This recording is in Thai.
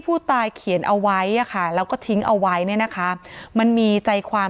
ผู้ตายเขียนเอาไว้อ่ะค่ะแล้วก็ทิ้งเอาไว้เนี่ยนะคะมันมีใจความ